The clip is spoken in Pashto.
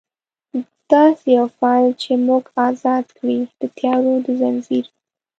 داسي یو فال چې موږ ازاد کړي، د تیارو د ځنځیر